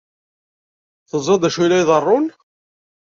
Teẓriḍ d acu i la iḍerrun?